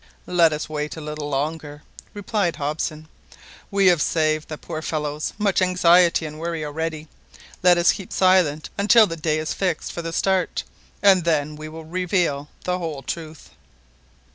"Let us wait a little longer," replied Hobson. "We have saved the poor fellows much anxiety and worry already, let us keep silent until the day is fixed for the start, and then we will reveal the whole truth."